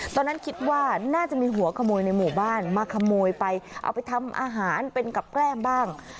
ตอนนั้นคิดว่าน่าจะมีหัวขโมยในหมู่บ้านมาขโมยไปเอาไปทำอาหารเป็นกับแกล้มบ้าง